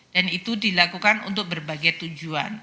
dan itu dilakukan untuk berbagai tujuan